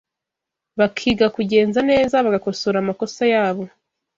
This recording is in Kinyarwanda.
bakiga kugenza neza, bagakosora amakosa yabo